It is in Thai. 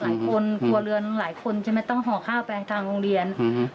หลายคนกลัวเรือนหลายคนจะไม่ต้องห่อข้าวไปทางโรงเรียน